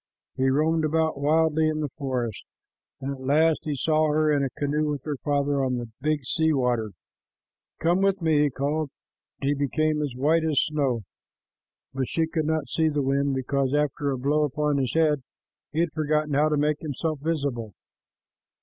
He roamed about wildly in the forest, and at last he saw her in a canoe with her father on the Big Sea Water. "Come with me," he called. She became as white as snow, but she could not see the wind, because after the blow upon his head he had forgotten how to make himself visible.